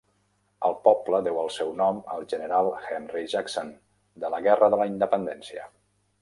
El poble deu el seu nom al General Henry Jackson de la Guerra de la Independència.